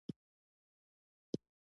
د افغانستان طبیعت له کلتور څخه جوړ شوی دی.